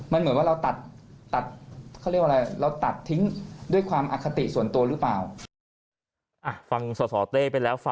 มันเหมือนว่าเราตัดเขาเรียกว่าอะไรเราตัดทิ้งด้วยความอคติส่วนตัวหรือเปล่า